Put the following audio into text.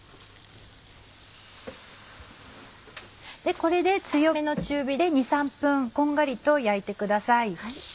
これで強めの中火で２３分こんがりと焼いてください。